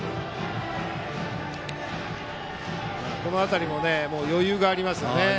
この辺りも余裕がありますね。